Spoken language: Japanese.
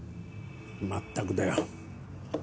まったくだよ。